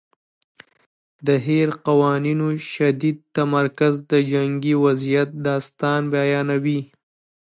د هیر قوانینو شدید تمرکز د جنګي وضعیت داستان بیانوي.